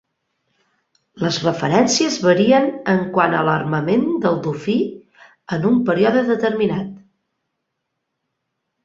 Les referències varien en quant a l'armament del "Dofí" en un període determinat.